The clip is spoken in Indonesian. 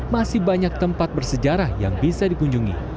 masih banyak tempat bersejarah yang bisa dikunjungi